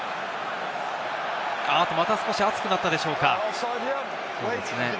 また少し熱くなったでしょうか？